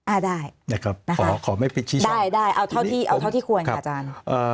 อ่าได้ขอไม่ปิดชี้ชอบได้เอาเท่าที่ควรค่ะอาจารย์